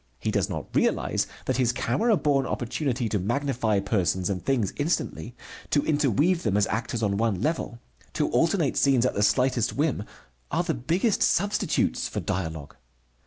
He does not realize that his camera born opportunity to magnify persons and things instantly, to interweave them as actors on one level, to alternate scenes at the slightest whim, are the big substitutes for dialogue.